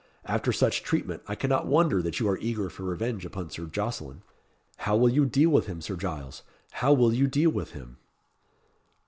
After such treatment, I cannot wonder that you are eager for revenge upon Sir Jocelyn. How will you deal with him Sir Giles? How will you deal with him?"